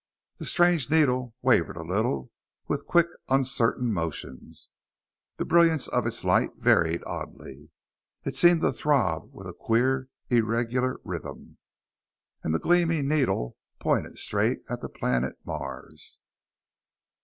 The strange needle wavered a little, with quick, uncertain motions. The brilliance of its light varied oddly; it seemed to throb with a queer, irregular rhythm. And the gleaming needle pointed straight at the planet Mars!